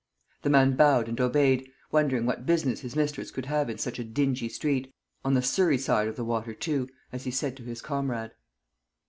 The man bowed and obeyed, wondering what business his mistress could have in such a dingy street, "on the Surrey side of the water, too," as he said to his comrade.